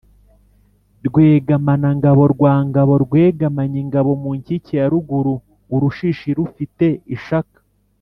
Rwegamanangabo rwa Ngabo rwegamanye ingabo mu nkike ya ruguru-Urushishi rufite ishaka.